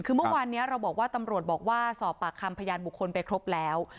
คือเมื่อวานนี้เราบอกว่าตำรวจบอกว่าสอบปากคำพยานบุคคลไปครบแล้ว